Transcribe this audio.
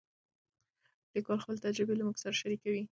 لیکوال خپلې تجربې له موږ سره شریکوي.